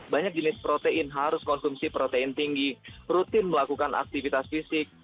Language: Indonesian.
banyak jenis protein harus konsumsi protein tinggi rutin melakukan aktivitas fisik